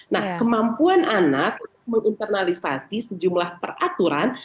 nah kemampuan anak untuk menginternalisasi sejumlah peraturan